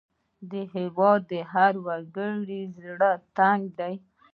هېواد د هر وګړي د زړه ټک دی.